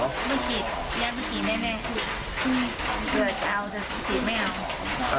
ไม่ฉีดยายไม่ฉีดแน่เดือดเอาจะฉีดไม่เอา